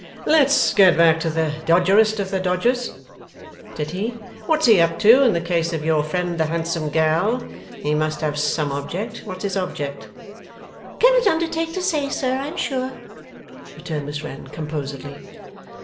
'Let's get back to the dodgerest of the dodgers,' said he. 'What's he up to in the case of your friend the handsome gal? He must have some object. What's his object?' 'Cannot undertake to say, sir, I am sure!' returned Miss Wren, composedly.